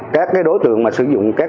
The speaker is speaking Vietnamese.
các đối tượng mà sử dụng